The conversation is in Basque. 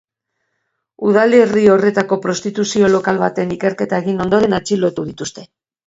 Udalerri horretako prostituzio lokal batean ikerketa egin ondoren atxilotu dituzte.